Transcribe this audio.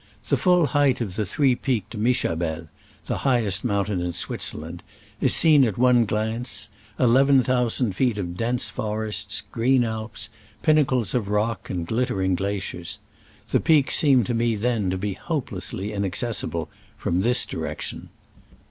The full height of the three peaked Mischabel (the highest mountain in Switzerland) is seen at one glance — eleven thousand feet of dense forests, green alps, pinnacles of rock and glittering glaciers. The peaks seemed to me then to be hopelessly inaccessible from this direction.